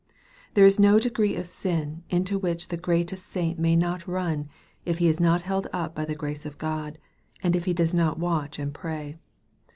There is no degree of sin into which the greatest saint may not run, if he is not held up by the grace of God, and if he does not watch and pray.